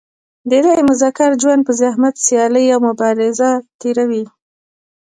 ډېری مذکر ژوند په زحمت سیالي او مبازره تېروي.